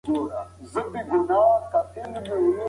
موږ بايد د اوږدې مودې لپاره کار وکړو.